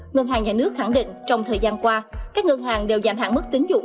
ngân hàng nhà nước khẳng định trong thời gian qua các ngân hàng đều dành hạn mức tín dụng